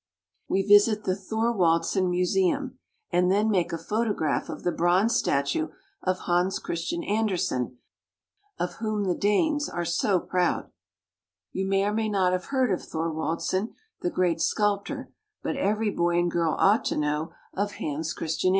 We visit the Thorwaldsen Museum, and then make a photograph of the bronze statue of Hans Christian Ander sen, of whom the Danes are so proud. You may or may not have heard of Thorwaldsen, the great sculptor, but every boy and girl ought to know of Hans Christian THE LAND OF THE DANES.